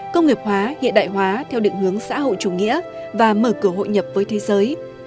công nghiệp hóa hiện đại hóa theo định hướng xã hội chủ nghĩa và mở cửa hội nhập với thế giới